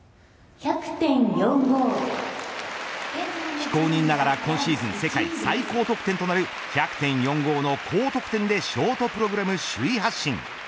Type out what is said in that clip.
非公認ながら今シーズン世界最高得点となる１００．４５の高得点でショートプログラム首位発進。